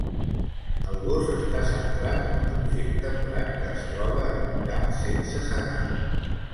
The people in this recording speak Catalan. El gos està centrat en un objecte morat que es troba en un camp sense segar.